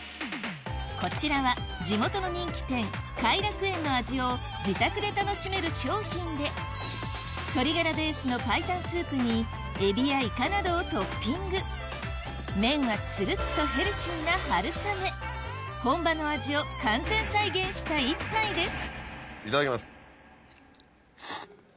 こちらは地元の人気店会楽園の味を自宅で楽しめる商品で鶏ガラベースの白湯スープにエビやイカなどをトッピング麺はつるっとヘルシーな本場の味を完全再現した１杯ですいただきます。